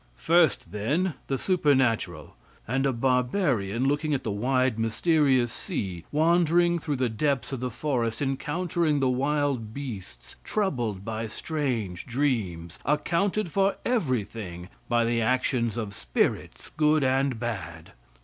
First, then, the supernatural; and a barbarian, looking at the wide, mysterious sea, wandering through the depths of the forest, encountering the wild beasts, troubled by strange dreams, accounted for everything by the action of spirits, good and bad.